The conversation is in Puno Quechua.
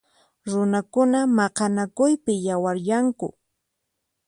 Runakuna maqanakuypi yawaryanku.